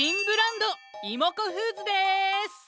ブランドイモコフーズです！